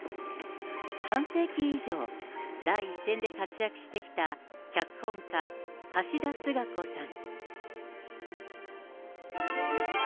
半世紀以上、第一線で活躍してきた脚本家、橋田壽賀子さん。